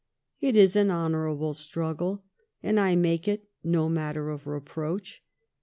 It is an honourable struggle, and I make it no matter of reproach.